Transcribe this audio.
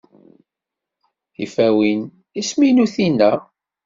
Tifawin, isem-inu Tina.